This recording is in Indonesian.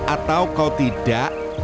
atau kau tidak